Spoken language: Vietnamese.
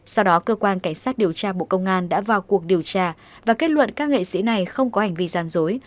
sau đó cơ quan cảnh sát điều tra bộ công an đã vào cuộc điều tra và kết luận các nghệ sĩ này không có hành vi gian dối